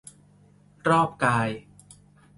รอบกาย